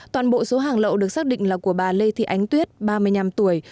toàn bộ số hàng lậu được xác định là của bà lê thị ánh tuyết ba mươi năm tuổi